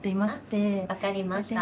分かりました。